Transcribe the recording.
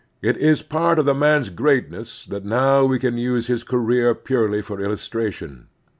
It is part of the man's greatness that now we can use his career purely for illustration.